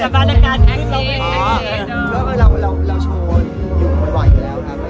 บางองค์อาจมืดแรงน้อย